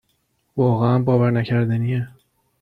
واقعا باورنکردنیه